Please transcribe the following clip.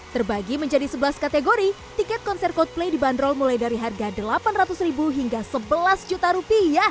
terbagi menjadi sebelas kategori tiket konser coldplay dibanderol mulai dari harga rp delapan ratus hingga rp sebelas